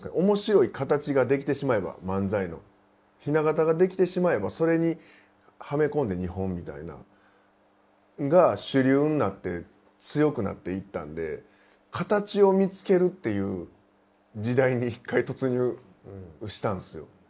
面白い形が出来てしまえば漫才のひな型が出来てしまえばそれにはめ込んで２本みたいな。が主流になって強くなっていったんで形を見つけるっていう時代に一回突入したんですよ。